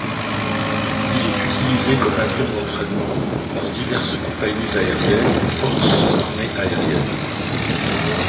Il est utilisé comme avion d'entraînement par diverses compagnies aériennes ou force armées aériennes.